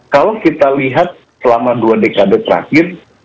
kalau kita lihat selama dua dekade terakhir